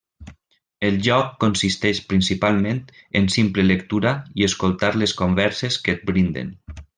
El joc consisteix principalment en simple lectura i escoltar les converses que et brinden.